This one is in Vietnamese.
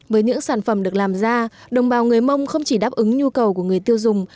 với những sản phẩm được làm ra đồng bào người mông không chỉ đáp ứng nhu cầu của người tiêu dùng